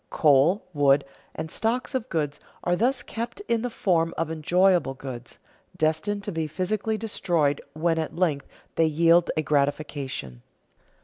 Coal, wood, and stocks of goods, are thus kept in the form of enjoyable goods, destined to be physically destroyed when at length they yield a gratification.